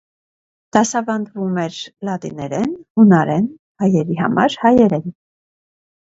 Դասավանդվում էր՝ լատիներեն, հունարեն, հայերի համար՝ հայերեն։